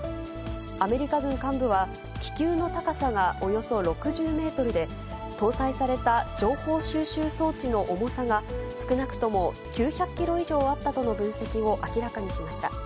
アメリカ軍幹部は、気球の高さがおよそ６０メートルで、搭載された情報収集装置の重さが少なくとも９００キロ以上あったとの分析を明らかにしました。